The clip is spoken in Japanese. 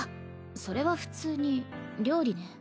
それは普通に料理ね。